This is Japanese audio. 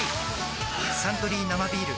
「サントリー生ビール」